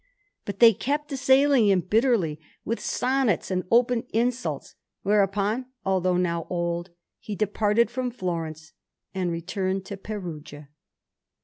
But they kept assailing him bitterly with sonnets and open insults; whereupon, although now old, he departed from Florence and returned to Perugia.